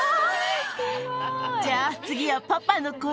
じゃあ、次はパパの声。